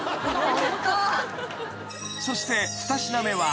［そして２品目は］